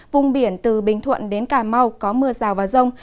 vùng biển từ bình thuận đến cà mau có mưa rào và rông